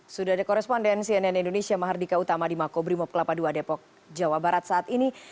sudah ada korespondensi nn indonesia mahardika utama di makobrimob kelapa ii depok jawa barat saat ini